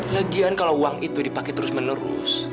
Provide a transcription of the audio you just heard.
lagian kalau uang itu dipakai terus menerus